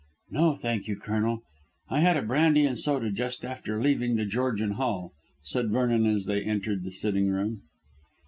"No, thank you, Colonel. I had a brandy and soda just after leaving The Georgian Hall," said Vernon as they entered the sitting room.